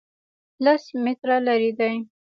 لس متره لرې دی